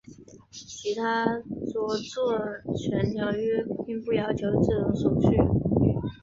其他着作权条约并不要求这种手续。